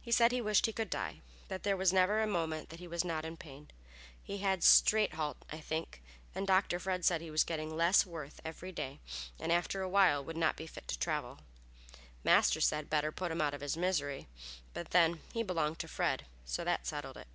He said he wished he could die, that there was never a moment that he was not in pain. He had stringhalt, I think, and Dr. Fred said he was getting less worth every day and after awhile would not be fit to travel. Master said, better put him out of his misery, then, but he belonged to Fred, so that settled it.